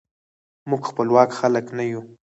موږ خپواک خلک نه یو.